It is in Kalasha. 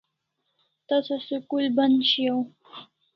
Tasa school band shiau